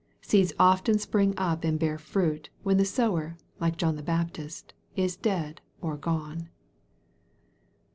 Seeds often spring up and bear fruit, when the sower, like John the Baptist, is dead or gone.